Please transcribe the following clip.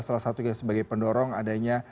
salah satunya sebagai pendorong adanya